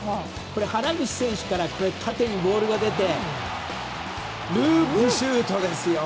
原口選手から縦にボールが出てループシュートですよ。